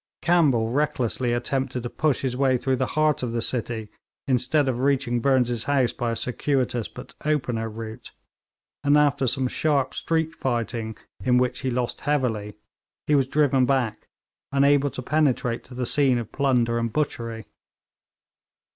Campbell recklessly attempted to push his way through the heart of the city, instead of reaching Burnes' house by a circuitous but opener route, and after some sharp street fighting in which he lost heavily, he was driven back, unable to penetrate to the scene of plunder and butchery.